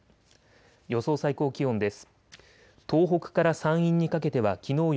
予想最高気温です。